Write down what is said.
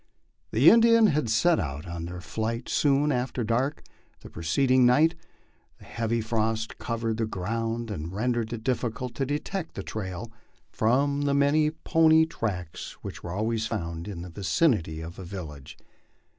The Indians had get out on their flight soon after dark the preceding night ; a heavy frost covered the ground and rendered it difficult to detect the trail from the many pony tracks which are always found in the vicinity of a village.